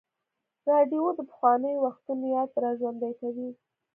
راډیو د پخوانیو وختونو یاد راژوندی کوي.